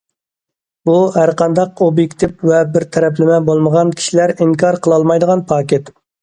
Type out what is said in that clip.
بۇ، ھەرقانداق ئوبيېكتىپ ۋە بىر تەرەپلىمە بولمىغان كىشىلەر ئىنكار قىلالمايدىغان پاكىت.